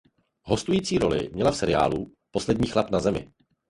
Hostující roli měla v seriálu "Poslední chlap na Zemi".